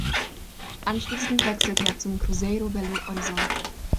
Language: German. Anschließend wechselte er zum Cruzeiro Belo Horizonte.